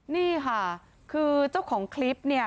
นี่ค่ะคือเจ้าของคลิปเนี่ย